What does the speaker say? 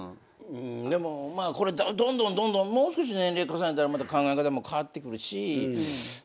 でもこれどんどんどんどんもう少し年齢重ねたらまた考え方も変わってくるし。